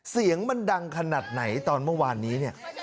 เสียงมันดังขนาดไหนตอนเมื่อวานนี้เนี่ย